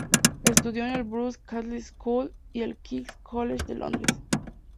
Estudió en el Bruce Castle School y el King's College de Londres.